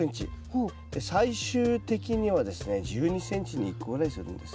最終的にはですね１２ｃｍに１個ぐらいにするんです。